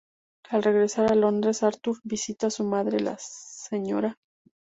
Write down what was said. Al regresar a Londres, Arthur visita a su madre, la Sra.